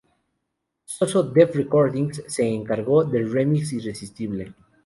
So So Def Recordings se encargó de remix "Irresistible".